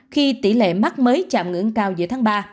khi tỷ lệ mắc mới chạm ngưỡng cao giữa tháng ba